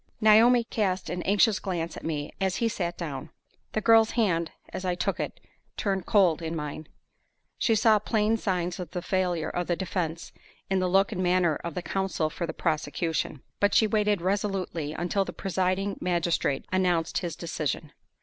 Naomi cast an anxious glance at me as he sat down. The girl's hand, as I took it, turned cold in mine. She saw plain signs of the failure of the defense in the look and manner of the counsel for the prosecution; but she waited resolutely until the presiding magistrate announced his decision.